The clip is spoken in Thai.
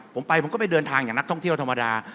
ผมไปผมก็ไปเดินทางอย่างนักท่องเที่ยวธรรมดา